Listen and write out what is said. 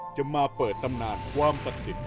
จะมาเปิดตำนานความศักดิ์สิทธิ